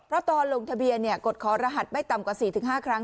เพราะตอนลงทะเบียนเนี่ยกดคอรหัสไม่ต่ำกว่าสี่ถึงห้าครั้ง